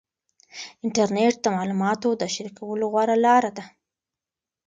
انټرنیټ د معلوماتو د شریکولو غوره لار ده.